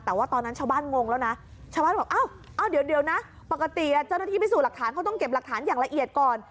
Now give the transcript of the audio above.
แต่ว่าตอนนั้นชาวบ้านงงแล้วนะชาวบ้านบอกอ้าวเดี๋ยวนะปกติเจ้าหน้าที่พิสูจน์หลักฐานเขาต้องเก็บหลักฐานอย่างละเอียดก่อน